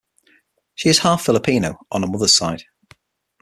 She is half Filipino on her mother's side.